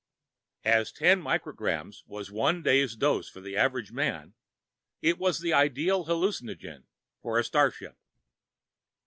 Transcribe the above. As ten micrograms was one day's dose for the average man, it was the ideal hallucinogen for a starship.